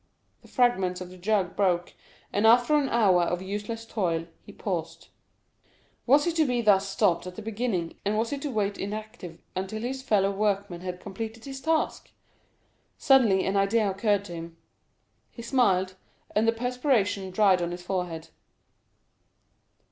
The fragments of the jug broke, and after an hour of useless toil, Dantès paused with anguish on his brow. Was he to be thus stopped at the beginning, and was he to wait inactive until his fellow workman had completed his task? Suddenly an idea occurred to him—he smiled, and the perspiration dried on his forehead.